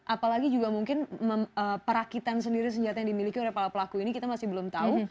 apalagi juga mungkin perakitan sendiri senjata yang dimiliki oleh para pelaku ini kita masih belum tahu